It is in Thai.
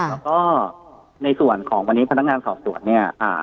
แล้วก็ในส่วนของวันนี้พนักงานสอบสวนเนี่ย